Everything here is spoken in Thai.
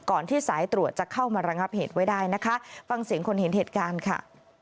ที่สายตรวจจะเข้ามาระงับเหตุไว้ได้นะคะฟังเสียงคนเห็นเหตุการณ์ค่ะ